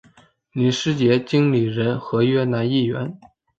林师杰经理人合约男艺员。